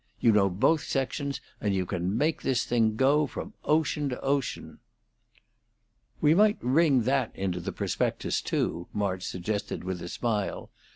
You know both sections, and you can make this thing go, from ocean to ocean." "We might ring that into the prospectus, too," March suggested, with a smile.